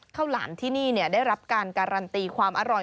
หลามที่นี่ได้รับการการันตีความอร่อย